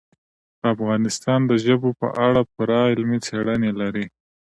افغانستان د ژبو په اړه پوره علمي څېړنې لري.